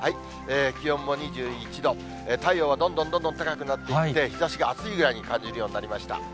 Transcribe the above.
気温も２１度、太陽はどんどんどんどん高くなってきて、日ざしがあついぐらいに感じるようになりました。